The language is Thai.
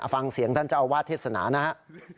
ฟังเสียงท่านเจ้าอาวาสเทศนานะครับ